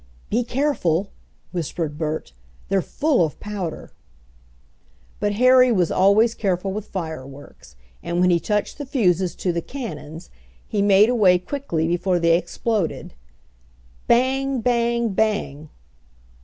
"Be careful!" whispered Bert; "they're full of powder." But Harry was always careful with fireworks, and when he touched the fuses to the "cannons" he made away quickly before they exploded. Bang! Bang! Bang!